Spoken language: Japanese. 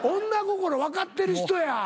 女心分かってる人や。